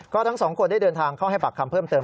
ก็ทั้งสองคนได้เดินทางเข้าให้ปากคำเพิ่มเติม